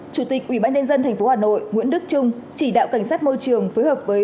chủ tịch ubnd tp hà nội nguyễn đức trung chỉ đạo cảnh sát môi trường phối hợp với